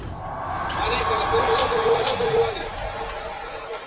Las hojas con color, verde blanco o grisáceo, densamente con vellosidades.